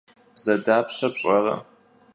Bze dapşe pş'ere?